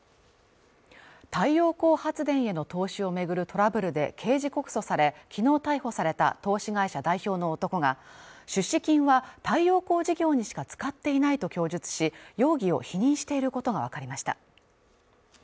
太陽光発電への投資を巡るトラブルで刑事告訴され、きのう逮捕された投資会社代表の男が出資金は、太陽光事業にしか使っていないと供述し、容疑を否認していることがわかりました。